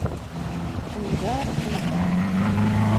Уйҙар, уйҙар...